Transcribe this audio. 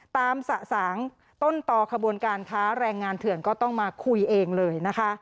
สะสางต้นต่อขบวนการค้าแรงงานเถื่อนก็ต้องมาคุยเองเลยนะคะ